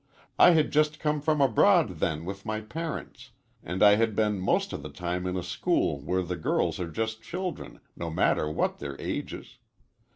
I had just come from abroad then with my parents, and I had been most of the time in a school where girls are just children, no matter what their ages.